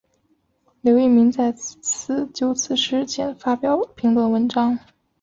刘逸明再次就此事件发表评论文章。